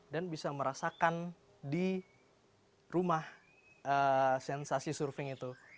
dan bisa merasakan di rumah sensasi surfing itu